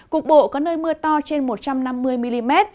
cục bộ có nơi mưa to trên một trăm năm mươi mm